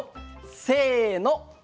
せの。